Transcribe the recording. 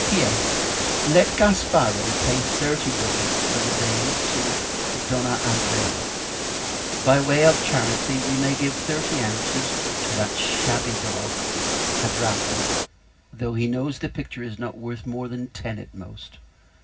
P.S. Let Gasparo pay thirty ducats, for the vase, to D. Andrea. By way of charity, we may give thirty ounces to that shabby dog, Hadrava; though he knows the picture is not worth more than ten at most.